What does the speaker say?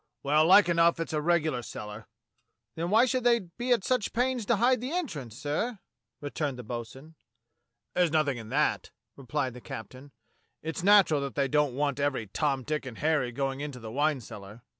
"Well, like enough it's the regular cellar." "Then why should they be at such pains to hide the entrance, sir.^^ " returned the bo'sun. "There's nothing in that," replied the captain. " It's natural that they don't want every Tom, Dick, and Harry going into the wine cellar."